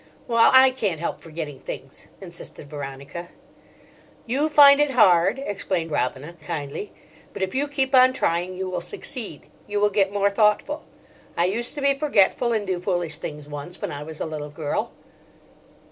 "Well, I can't help forgetting things," insisted Veronica. "You find it hard," explained Robina kindly; "but if you keep on trying you will succeed. You will get more thoughtful. I used to be forgetful and do foolish things once, when I was a little girl."